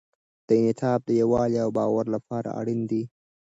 دا انعطاف د یووالي او باور لپاره اړین دی.